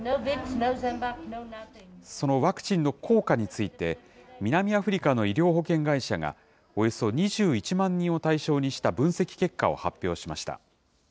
そのワクチンの効果について、南アフリカの医療保険会社が、およそ２１万人を対象にした分析結果を発表しました。